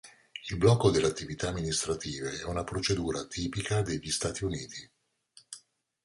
Il blocco delle attività amministrative è una procedura tipica degli Stati Uniti.